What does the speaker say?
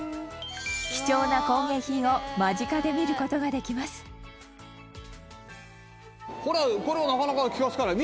貴重な工芸品を間近で見る事ができます石原：これは、なかなか気が付かない。